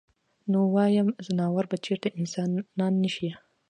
نو وايم ځناور به چرته انسانان نشي -